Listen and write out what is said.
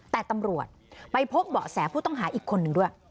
แต่ตำรวจไปพบเสียผู้ต้องหาอีกคนด้วย